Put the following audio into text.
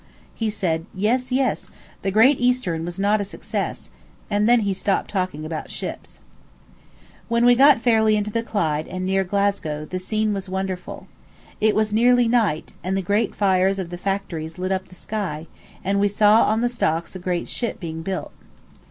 He said, "Yes, yes, the 'Great Eastern' was not a success," and then he stopped talking about ships. When we got fairly into the Clyde and near Glasgow the scene was wonderful. It was nearly night, and the great fires of the factories lit up the sky, and we saw on the stocks a great ship being built.